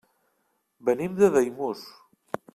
Venim de Daimús.